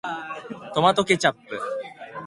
トマトケチャップ